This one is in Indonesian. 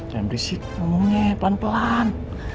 jangan berisik ngomongnya pelan pelan